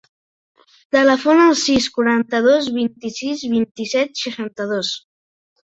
Telefona al sis, quaranta-dos, vint-i-sis, vint-i-set, seixanta-dos.